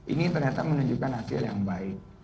ini ternyata menunjukkan hasil yang baik